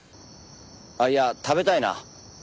あっいや食べたいな。